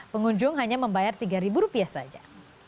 pengunjung hanya membayar tiga ribu rupiah saja